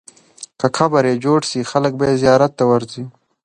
که قبر یې جوړ سي، خلک به یې زیارت ته ورځي.